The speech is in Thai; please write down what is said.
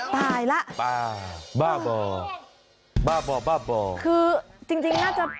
ผมไม่รู้ครับผมเข้าลงนอนได้ไหม